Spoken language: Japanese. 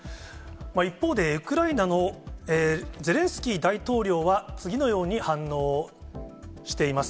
一方で、ウクライナのゼレンスキー大統領は次のように反応しています。